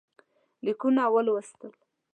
لیکونه واستول.